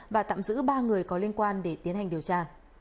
và tạm giữ ba người có liên quan để tiến hành điều tra